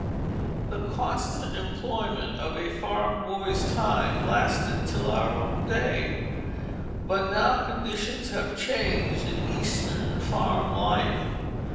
This constant employment of a farm boy's time lasted till our own day; but now conditions have changed in Eastern farm life.